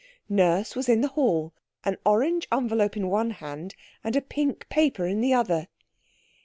Nurse was in the hall, an orange envelope in one hand, and a pink paper in the other.